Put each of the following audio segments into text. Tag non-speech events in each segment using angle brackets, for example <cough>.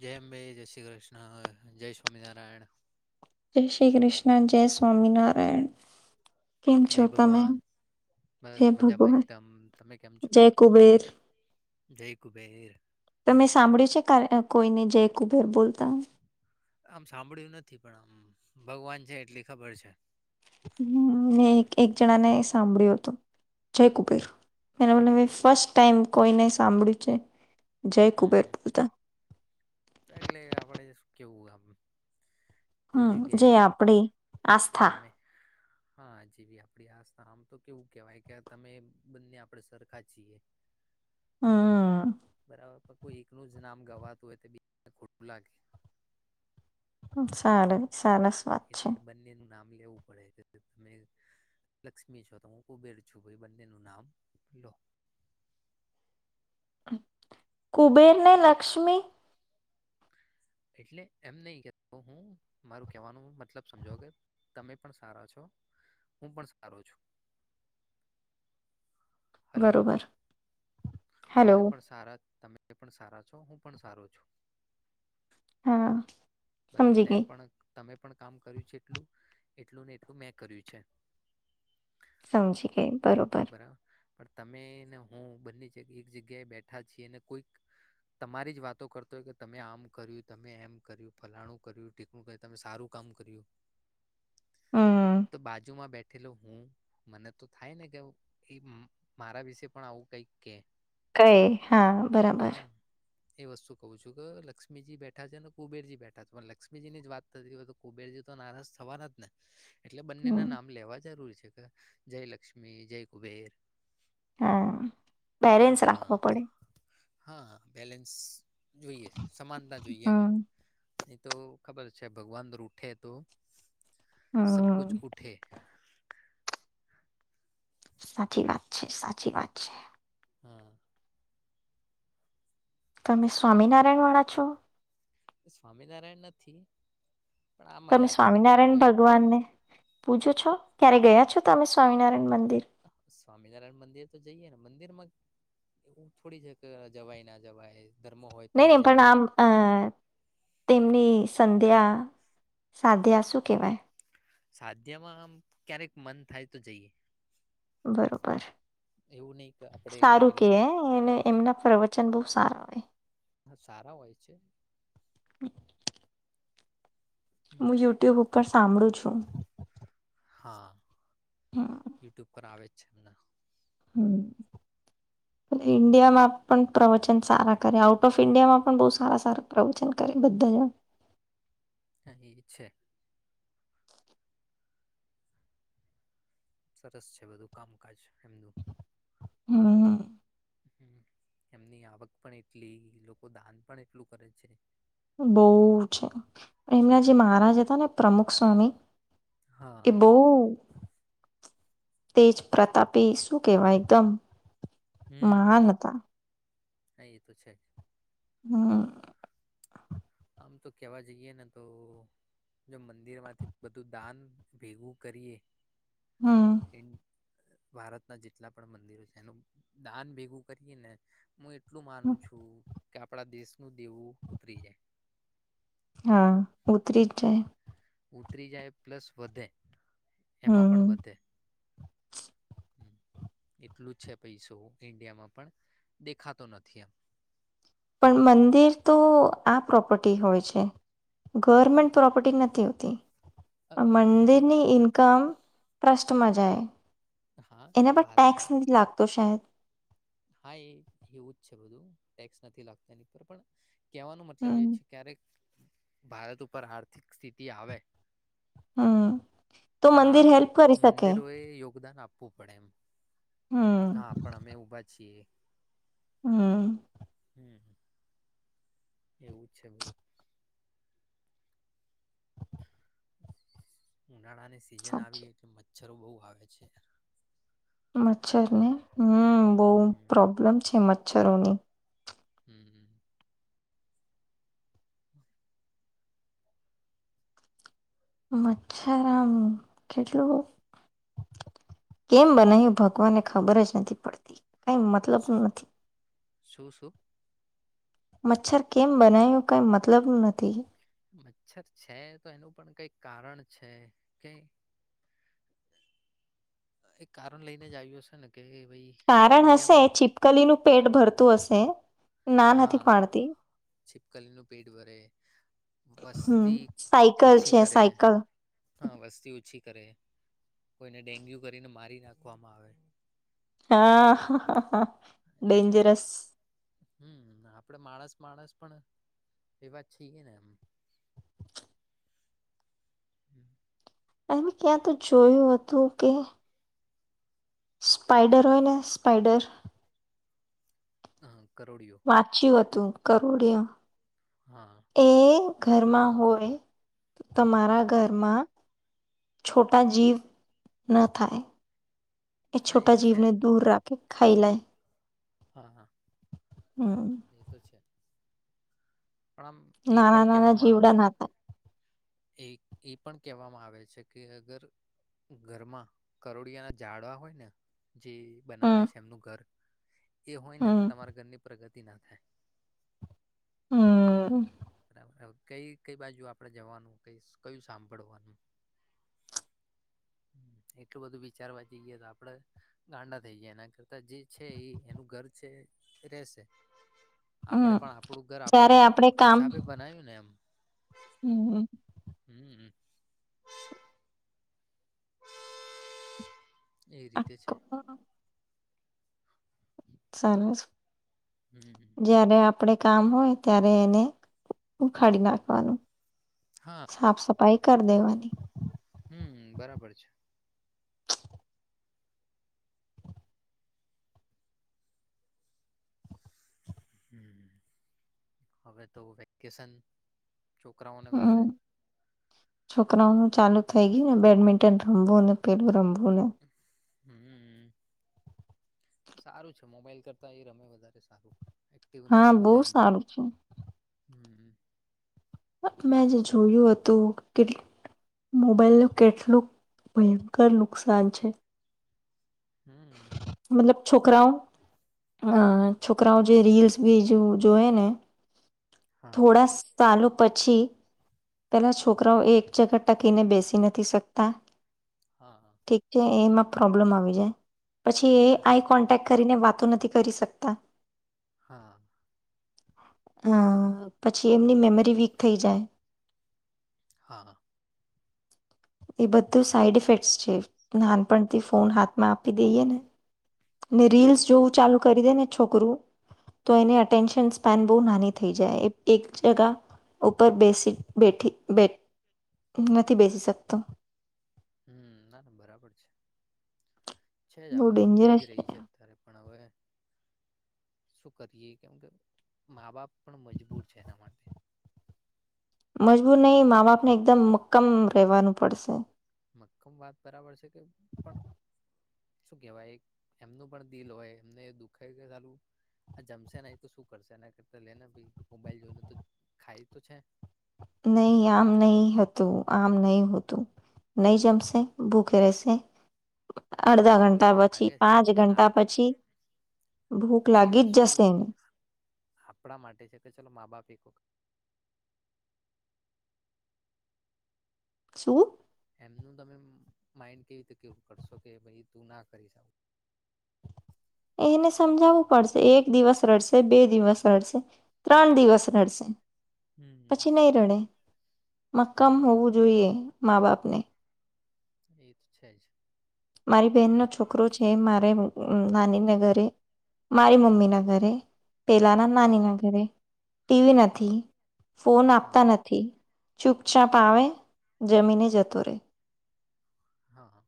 જય અંબે, જય શ્રી કૃષ્ણ, જય શ્રી સ્વામિનારાયણ. જય શ્રી કૃષ્ણ, જય સ્વામિનારાયણ. કેમ જય છો તમે ભગવાન, બસ જય મજામાં. ભગવાન એકદમ તમે કેમ છો? જય કુબેર જય કુબેર. તમે સાંભળ્યું છે કોઈને જય કુબેર બોલતા? આમ સાંભળ્યું નથી, પણ આમ ભગવાન છે એટલી ખબર છે. હમ્મ, મે એક જણા ને સાંભળ્યું હતું, જય કુબેર એને મને ફસ્ટ ટાઈમ કોઈને સાંભળ્યું છે. જય કુબેર હમ બોલતા. એટલે આપડે શું કેવું આમ કોઈ હમ જે જગ્યાએ આપડી આસ્થા તમે હા જેવી આપડી આસ. આમ તો કેવું કેવાય કે તમે બંને આપડે સરખા છીએ. હમ બરાબર. કોઈ એકનું જ નામ ગવાતું હોય તો. ખોટું લાગે. સાલે. સરસ વાત છે‌. એટલે બંનેનું નામ લેવું પડે, તમે લક્ષ્મી છો તો હું કુબેર છું, ભી બંનેનું નામ લો. કુબેરને લક્ષ્મી. એટલે એમ નહીં કેતો હું મારું કેહેવાનું મતલબ સમજો કે તમે પણ સારા છો, હું પણ સારો છું. હલો બરોબર. હેલો તમે પણ સારા. તમે પણ સારા છો, હું પણ સારું છું. હા. બરાબર સમજી તે ગઈ પણ તમે પણ કામ કર્યું છે એટલું, એટલું ને એટલું મેં કર્યું છે. સમજી ગઈ બરોબર બરાબર. પણ તમે ને હું બંને જ્યા એક જગ્યાએ બેઠા છીએ, ને કોઈક તમારી જ વાતો કરતો હોય કે તમે આમ કર્યું, તમે એમ કર્યું, ફલાણું કર્યું, ઠીકણું કર્યું, તમે સારું કામ કર્યું હમ તો બાજુમાં બેઠ ઠેલો હું મને તો થાય ને કે એ મારા વિશે પણ આવું કંઈક કે કંઈ, હા, બરાબર. હા એ વસ્તુ કહું છું કે લક્ષ્મીજી બેઠા છે ને કુબેરજી બેઠા છે, પણ લક્ષ્મીજીની જ વાત થતી હોય તો કુબેરજી તો નારાજ થવાના જ ને એટલે બંને ના હમ નામ લેવા જરૂર છે. જય લક્ષ્મી, જય કુબેર હા બેરેન્સ રાખવો હા પડે. હા બેલેન્સ જોઈએ. સમાનતા જોઈએ આમ હમ એ તો ખબર જ છે ભગવાન રૂઠે તો સબ હમ કુછ ઉઠે સાચી વાત છે, સાચી વાત છે. હમ્મ. તમે સ્વામિનારાયણ વાળા છો? સ્વામિનારાયણ નથી પણ આમાં જ તમે આ તો કોઈ સ્વામિનારાયણ સામે ભગવાનને પૂજો છો? ક્યારે ગયા છો તમે સ્વામિનારાયણ મંદિર? સ્વામિનારાયણ મંદિર તો જઈએ ને મંદિર માં એવું થોડી છે કે જવાય ના જવાય ધર્મ હોય તો નહીં જ નહીં પણ જઈએ આમ અ તેમની સંધ્યા, સાધ્યા શું કેવાય? સાધ્યમાં આમ ક્યારેક મન થાય તો જઈએ. બરોબર એવું નહી કે આપડે સારું કે પેલું એને એમના પર્વ ચન બહુ સારા હોય. હા સારા હોય છે. <inaudible> હમ, હું યુટ્યુબ ઉ પર સાંભળું છું. હા યુટ્યુબ પર આવે છે ન. હમ્મ પન ઈન્ડિયામાં પણ પ્રવચન સારા કરે આઉટ ઓફ ઇન્ડિયામાં પણ બહુ સારા સારા પ્રવચન કરે બધા એવા. અ એ છે. સરસ છે બધું કામકાજ એમનું. હમ્મ હમ્મ. હમ્મ એમની આવક પણ એટલી લોકો દાન પણ એટલું કરે છે. બહુ છે. એમના જે હમ, મહારાજ હતા ને પ્રમુખ સ્વામી હા એ બહુ તેજ પ્રતાપી શું કહેવાય એકદમ હમ મહાન હતા. હા એ તો છે જ. હમ્મ. આમ તો કેવા જઈએ ને તો જો મંદિરમાંથી બધું દાન ભેગું કરીએ. હમ, એમ ભારતના જેટલા પણ મંદિરો છે એનું દાન ભેગું કરીએ ને. હું એટલું માનું છું. કે આપડા દેશનું દેવું ઉતરી જાય. હા ઉતરી જ જાય. ઉતરી જાય પ્લસ વધે. એમાં પણ હમ. વધે. એટલું જ છે પૈસું ઈન્ડિયામાં પણ દેખાતો નથી આમ. પણ મંદિર તો આ પ્રોપર્ટી હોય છે ગવર્મેન્ટ પ્રોપર્ટી નથી હોતી. એમ હું મંદિરની ઇનકમ પ્રષ્ટ મા જાએ. હા એના પર વાત ટેક્સ અમારે નથી લાગતો શાયદ. હા એ એવું જ છે બધું ટેક્સ નથી લાગત એની પર પણ કવાનો મતલબ એ હમ, છે ક્યારેક ભારત ઉપર આર્થિક સ્થિતિ આવે. હઅ તો તા મંદિર હેલ્પ કરી શકે. મંદિરોએ યોગદાન આપવું પડે એમ. હમ, હા પણ અમે ઉભા છીએ. હમ્મ. હમ્મ. એવું જ છે બધું. ઉનાળાની સીઝન સાચી આવી એટલે. મચ્છરો બહુ આવે છે. મચ્છર ને હમ બહ હમ પ્રોબ્લેમ છે મ અ્છરોની. હમ્મ હમ્મ. મચ્છારમ કેટલું કેમ બનાયું ભગવાનને ખબર જ નથી પડતી. કઈ મતલબ નથી. શું શું? મચ્છર કેમ બનાવ્યું કઈ મતલબ નથી. મચ્છર છે તો એનું પણ કઈક કારણ છે કે એ કારણ લઈને જ આવ્યું હશે ને. કે ભાઈ કારણ હશે ઈન્ડિયામાં ચીપકલીનું પેટ ભરતું હશે. ના નથી હા પાડતી. છીપકલી નું પેટ ભરે હમ્મ, વસ્તી સાયકલ ઓછી છે કરે સાયકલ. હા વસ્તી ઓછી કરે કોઈને ડેન્ગ્યુ કરીને મારી નાખવામાં આવે. હા. ડેંજરસ. હમ્મ આપડે માણસ માણસ પણ એવાત છીએ ને એમ. <inaudible> એને ક્યાં તો જોયું હતું કે સ્પાઈડર હોય ને સ્પાઈડર <inaudible> વાંચ્યું હતું. કરોડિયા. હા એ ઘરમાં હોય. તમારા હા ઘરમાં છોટા જીવ ન થાય. એ હા છોટા છે જીવને દૂર રા કે ખાઈ લ <inaudible> પણ આમ એ નાના પણ નાના કહેવામાં આવે જીવડા ના હતા. એ એ પણ કહેવામાં આવે છે કે અગર ઘરમાં કરોડિયાના જાડવા હોય ને જે બનાવે હમ છે એમનું ઘર એ હોય ને તો હમ તમારા ઘરની પ્રગતિ. <inaudible> હમ <inaudible> આપડે હમ પણ આપણું ઘર આપડા જયારે આપડે કામ હિસાબે બનાવ્યું ને એમ હમ હમ્મ <inaudible> <unintelligible> <inaudible> આપણે કામ હોય ત્યારે એને ઉખાડી નાખવાનું. હા સાફ સફા પાઈ કર દેવાની. હમ બરાબર છે. અમે તો વેકેશન છોકરાઓને બધાને હમ છોકરાઓનું ચાલુ થઈ ગયું ને બેડમિન્ટન થંભો અને પેલું રમ બોલો. હમ, સારું છે મોબાઈલ કરતા એ રમે વધારે સારું. હા બહુ એમની, સારું છે હ મેં જોયું હતું કે મોબાઈલ નું કેટલું ભયંકર નુકસાન છે. હમ મતલબ છોકરાઓ છોકરાઓ જે રીલ્સ બી જોએ ને હા થોડા ચાલો પછી પહેલા છોકરાઓ એ એક જગત ટકીને બેસી નથી શકતા. હા ઠીક છે એમાં પ્રોબ્લેમ આવી જાય. પછી એ હા આઈ કોન્ટેક્ટ કરીને વાત નથી કરી શકતા. હા. હ પછી એમની મેમરી વીક થઈ જાય. હા હા. એ બધું સાઈડ ઇફેક્ટ છે, નાનપણથી ફોન હાથમાં આપી દઈયએ ને. ને ના એ રીલ્સ છે જોવું ચાલુ કરી દે ને છોકરું, તો એને અટેન્શન સ્પેન બહ નાની થઈ જાય એક જગા ઉપર બેસી બેઠ નથી બેસીક તો હમ ના ના બરાબર છે. છે જ બહુ આ વસ્તુ થઈ જ ડેન્જરસ રહી છે અત્યારે પણ હવે શું કરીએ કેમ કે મા બાપ પણ મજબૂર છે એના માટે. મજબૂર નહી મા બાપને એકદમ મક્કમ રહેવાનું પડશે. મક્કમ વાત બરાબર છે પણ શું કેવાય એમનું પણ દિલ હોય એમને દુખે કે સારું, આ જમશે એ તો શું કરશે એના કરતા લેને ભ મોબાઈલ જોઈને તો ખાય તો છે. નહીં આમ નહીં હતું આમ નહીં હોતું, નહી જમશે ભૂખ રહેશે અડધા એવું ઘંટા પછી લાગે છે પાંચ ઘંટા પછી ભૂખ પણ એ લાગી જ વસ્તુ જશે એને આપણા માટે છે કે ચલો મા બાપ એ શું? એમનું તમે માઈન્ડ કેવી રીતે કેવું કરશો કે ભ તું ના કરીશ આવું. એને સમજાવવું પડશે એક દિવસ રડશે બે દિવસ રડશે, ત્રણ દિવસ રડશે. હમ પછી નહીં રડે, મક્કમ હોવું હમ જોઈએ મા બાપ ને. એ તો છે જ. મારી બહેનનો છોકરો છે મારે અહ નાનીને ઘરે, મારી મમ્મીના ઘરે. પેલાના નાની હા ના ઘરે, ટીવી નથી, હા ફોન આપતા હા નથી. ચૂપચાપ હા આવેે, જમીને જ જતો રે. હા, હા.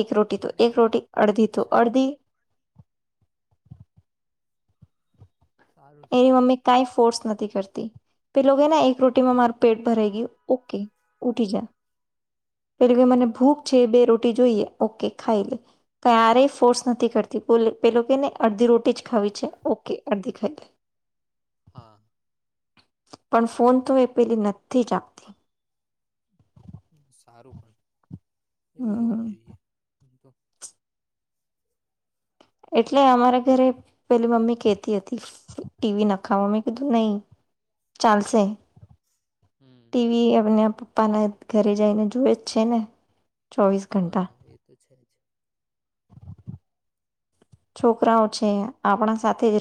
એક રોટી તો એક રોટી, અડધી તો છે અડધી સારું છે એની મમ્મી કાંઈ ફોર્સ નથી કર તી, તે લોગ હે ના એક રોટીમાં મારું પેટ ભરે ગયું, ઓકે ઉઠી જા. પેલું કે મને પણ બરાબર ભૂખ છે બે રોટ જોઈએ ઓકે ખાઈ લે. ક્યારેય ફોર્સ નથી કરતી, પોલે પેલો કે ને અડધી રોટી જ ખાવી છે, ઓકે અડધી ખાઈ લે. હા. પણ ફોન તો એ પેલી નથી જ આપતી. સારું પણ. એવું જ હમ. હોવું જોઈએ. તો એટલે અમારા ઘરે પેલી મમ્મી કેહતી હતી, ટીવી નખાવો, મમ્મી કીધું નહી, ચાલશે. હમ ટીવી એમને પપ્પાના ઘરે જઈને જોવે જ છે ને. ચોવીસ ઘંટા હા એ તો છે જ. છોકરાઓ છે આપણા સાથે જ રે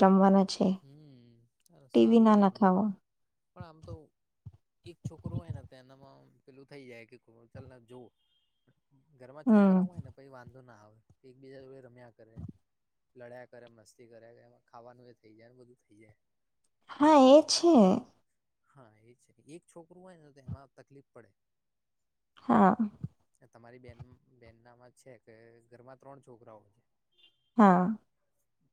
હમ્મ આ ટીવી સારું ના છે પણ, નખાવો. પણ આમ તો એક છોકરો હોય ને તો એનામાં પેલું થઈ જાય કે ક ચલ આ જો. ઘરમાં હમ. છોકરાઓ હોય ને પછી વાંધો ના આવે. એકબીજા જોડે રમ્યા કરે, લડ્યા કરે, મસ્તી કરે, <unintelligible> ખાવાનું એ જ <unintelligible> થઈ જાય ને બધું થઈ જાય. હા એ છે. હા એ છે. એક છોકરું હોય ને તો એમાં તકલીફ પડે. હા. તમારી બેન બેન નામાં છે કે ઘરમાં ત્રણ છોકરાઓ છે. હા.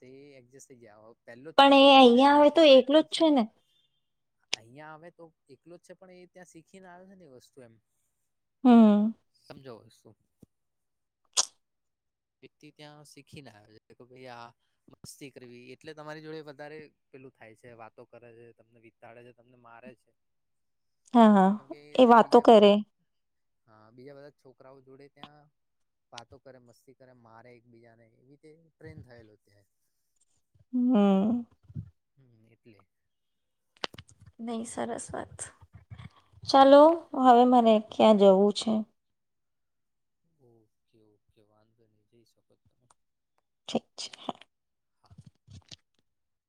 તે એડજસ્ટ જયાવો. પહેલો જ પણ છોકરો એ હોય તો અહિયાં એને આવે થોડું એકલો જ છે એટેન્શન ને અહિયાં આવે તો એકલો જ છે પણ એ ત્યાં શીખીને આવે છે ને એ વસ્તુ એમ. હમ્મ. જોસો. <unintelligible> ત્યાં શીખીને આવે કે તો આમસ્તી કરવી એટલે તમારી જોડે વધારે પેલું થાય છે વાતો કરે છે, તમને વિતાડે છે, તમને મારે છે. હા હા કેમકે એ ત્યાં વાતો બીજા બધા કરે. હા બીજા બધા છોકરાઓ જોડે ત્યાં વાતો કરે મસ્તી. મારે એકબીજાને એવી રીતે ટ્રેન થયેલું ત. હમ્મ. એટલે. નહી સરસ વાત ચાલો હમ હવે મને ક્યાં જવું. છે. ઓકે ઓકે વાંધો ની જે શ ઠીક છે